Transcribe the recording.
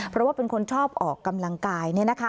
เพราะว่าเป็นคนชอบออกกำลังกาย